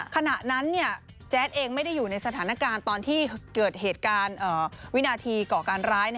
ขณะนั้นแจ๊ดเองไม่ได้อยู่ในสถานการณ์ตอนที่เกิดเหตุการณ์วินาทีก่อการร้าย